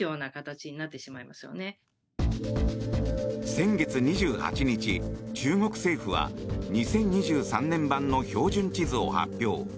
先月２８日、中国政府は２０２３年版の標準地図を発表。